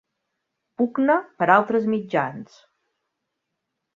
Pugna per altres mitjans.